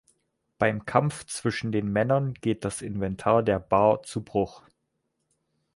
Beim Kampf zwischen den Männern geht das Inventar der Bar zu Bruch.